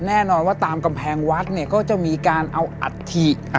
แน่นอนว่าตามกำแพงวัดเนี่ยก็จะมีการเอาอัฐิ